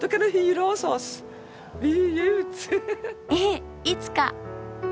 ええいつか！